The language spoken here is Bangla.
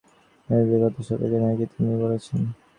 মেয়ের বিয়ের কথা সবাইকে নাকি তিনিই বলেছেন।